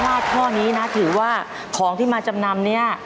ข้อนี้นะถือว่าของที่มาจำนำเนี่ย